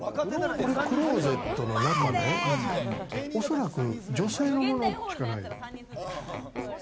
これクローゼットの中ね、おそらく女性のものしかない。